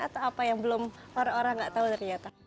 atau apa yang belum orang orang nggak tahu ternyata